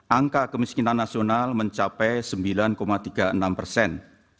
angka kemiskinan nasional mencapai sembilan tiga puluh enam persen